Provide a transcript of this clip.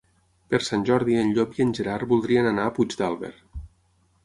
Per Sant Jordi en Llop i en Gerard voldrien anar a Puigdàlber.